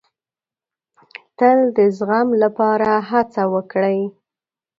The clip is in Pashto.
تل د زغم لپاره هڅه وکړئ.